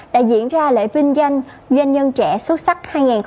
đã diễn ra lễ vinh danh doanh nhân trẻ xuất sắc hai nghìn một mươi tám